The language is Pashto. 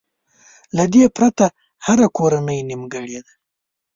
له دې پرته هره کورنۍ نيمګړې ده.